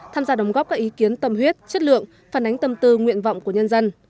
tham gia đóng góp các ý kiến tâm huyết chất lượng phản ánh tâm tư nguyện vọng của nhân dân